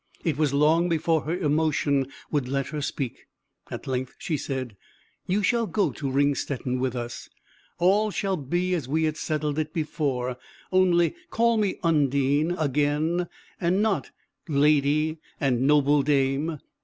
It was long before her emotion would let her speak: at length she said, "You shall go to Ringstetten with us; all shall be as we had settled it before; only call me Undine again, and not 'Lady' and 'noble Dame.'